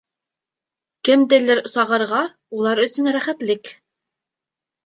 Кемделер сағырға улар өсөн рәхәтлек.